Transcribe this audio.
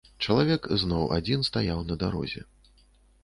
Чалавек зноў адзін стаяў на дарозе.